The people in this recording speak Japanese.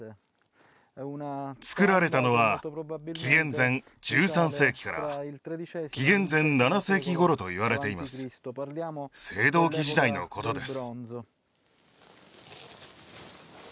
つくられたのは紀元前１３世紀から紀元前７世紀頃といわれています青銅器時代のことです